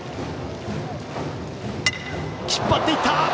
引っ張っていった！